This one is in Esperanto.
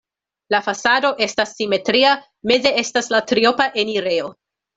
La fasado estas simetria, meze estas la triopa enirejo.